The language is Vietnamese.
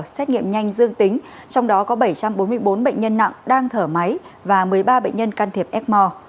xét nghiệm nhanh dương tính trong đó có bảy trăm bốn mươi bốn bệnh nhân nặng đang thở máy và một mươi ba bệnh nhân can thiệp ecmore